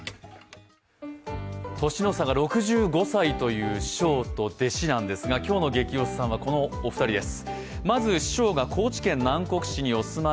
年の差が６５歳という師匠と弟子なんですが今日の「ゲキ推しさん」はこのお二人です。